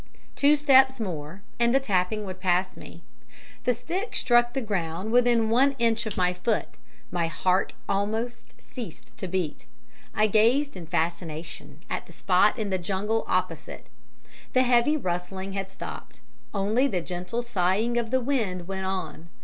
Two steps more and the tapping would pass me. The stick struck the ground within one inch of my foot; my heart almost ceased to beat; I gazed in fascination at the spot in the jungle opposite. The heavy rustling had stopped; only the gentle sighing of the wind went on.